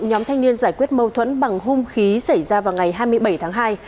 nhóm thanh niên giải quyết mâu thuẫn bằng hung khí xảy ra vào ngày hai mươi bảy tháng hai